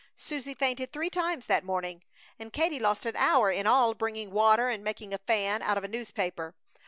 Susie fainted three times that morning, and Katie lost an hour in all, bringing water and making a fan out of a newspaper.